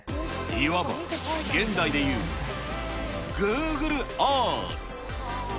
いわば現代でいうグーグルアース。